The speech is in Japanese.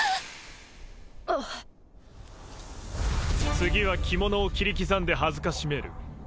次は着物を切り刻んで辱める。